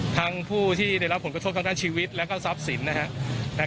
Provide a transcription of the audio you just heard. ทั้งผู้ที่ได้รับผลกระทบทั้งด้านชีวิตแล้วก็ทรัพย์สินนะครับ